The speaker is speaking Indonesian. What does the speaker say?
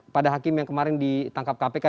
pada hakim yang kemarin ditangkap kpk